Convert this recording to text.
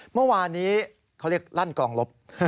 เมื่อวานนี้เขาเรียกลั่นกลองลบ